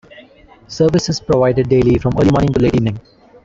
Service is provided daily from early morning to late evening.